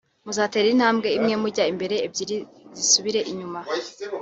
muzatera intambwe imwe mujya imbere ebyiri zisubire inyuma